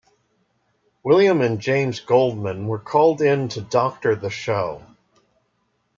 William and James Goldman were called in to doctor the show.